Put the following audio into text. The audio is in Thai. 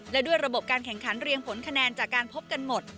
และด้วยระบบการแข่งขันเรียงผลคะแนนจากการพบกันหมด